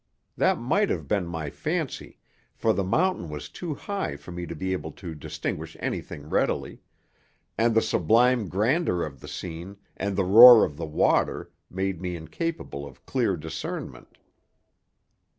That might have been my fancy, for the mountain was too high for me to be able to distinguish anything readily, and the sublime grandeur of the scene and the roar of the water made me incapable of clear discernment.